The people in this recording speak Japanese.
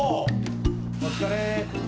お疲れ。